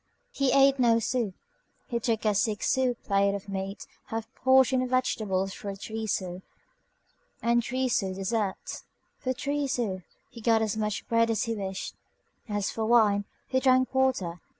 He ate no soup. He took a six sou plate of meat, a half portion of vegetables for three sous, and a three sou dessert. For three sous he got as much bread as he wished. As for wine, he drank water.